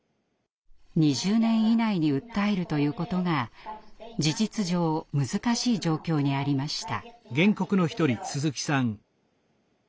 ２０年以内に訴えるということが事実上難しい状況にありました。